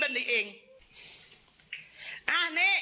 อ้าเนะ